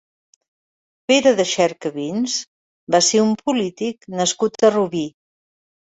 Pere de Xercavins va ser un polític nascut a Rubí.